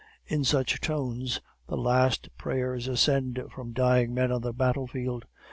In such tones the last prayers ascend from dying men on the battlefield.